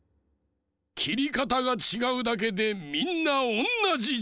きりかたがちがうだけでみんなおんなじじゃ！